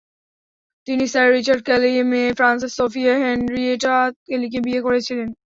তিনি sir Richard কেলির মেয়ে ফ্রান্সেস সোফিয়া হেনরিয়েটা কেলিকে বিয়ে করেছিলেন।